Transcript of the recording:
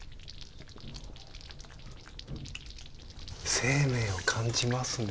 生命を感じますね。